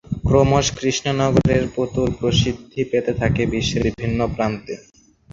ক্রমশ কৃষ্ণনগরের পুতুল প্রসিদ্ধি পেতে থাকে বিশ্বের বিভিন্ন প্রান্তে।